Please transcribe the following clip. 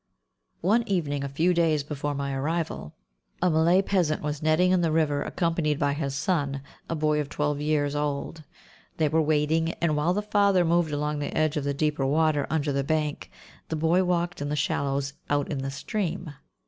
One evening, a few days before my arrival, a Malay peasant was netting in the river accompanied by his son, a boy of twelve years old. They were wading, and, while the father moved along the edge of the deeper water under the bank, the boy walked in the shallows out in the stream.